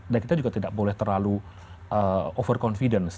dan kita juga tidak boleh terlalu over confidence